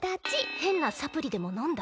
変なサプリでものんだ？